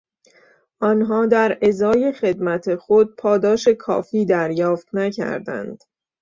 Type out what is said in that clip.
آنها در ازای خدمت خود پاداش کافی دریافت نکردند.